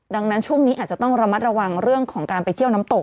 ดังนั้นช่วงนี้อาจจะต้องระมัดระวังเรื่องของการไปเที่ยวน้ำตก